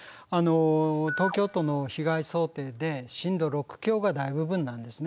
東京都の被害想定で震度６強が大部分なんですね。